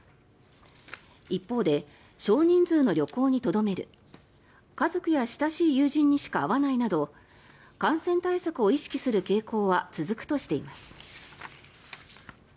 一方で、少人数の旅行にとどめる家族や親しい友人にしか会わないなど感染対策を意識する傾向は続くとしています。